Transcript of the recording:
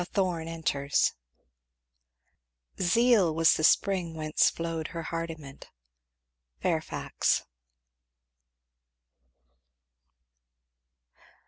Chapter XL. Zeal was the spring whence flowed her hardiment. Fairfax.